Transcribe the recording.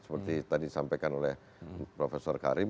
seperti tadi disampaikan oleh prof karim